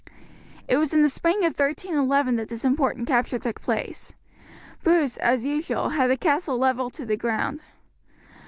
It was in the spring of 1311 that this important capture took place. Bruce, as usual, had the castle levelled to the ground.